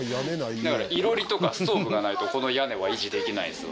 だから囲炉裏とかストーブがないとこの屋根は維持できないです。